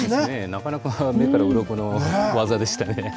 なかなか目からうろこの技でしたね。